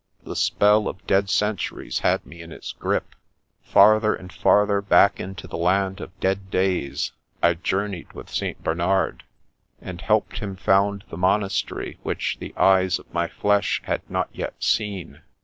The spell of dead centuries had me in its grip. Farther and farther back into the land of dead days, I journeyed with St. Bernard, and helped him found the monastery which the eyes of my flesh had not yet seen.